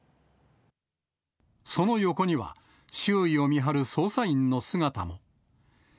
その横には、周囲を見張る捜査員の姿も。